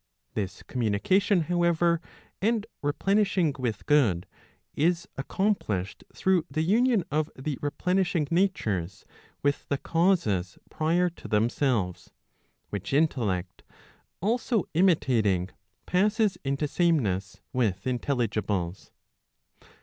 This communi¬ cation, however, and replenishing with good, is accomplished through the union of the replenishing natures with the causes prior to themselves ; which intellect, also imitating, passes into sameness with intelligibles.